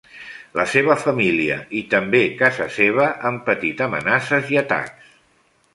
La seva família i també casa seva han patit amenaces i atacs.